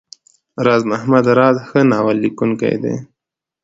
راز محمد راز ښه ناول ليکونکی دی.